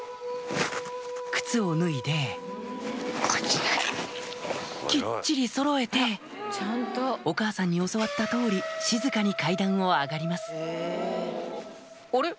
靴を脱いできっちりそろえてお母さんに教わった通り静かに階段を上がりますあれ？